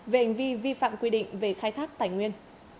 về hành vi vi phạm quy định về khai thác tài nguyên